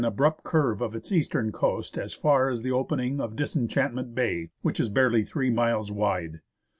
ELIAS abrupt curve of its eastern coast as far as the opening of Dis enchantment Bay, which is barely three miles wide.